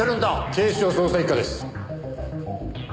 警視庁捜査一課です。